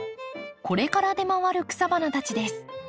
これから出回る草花たちです。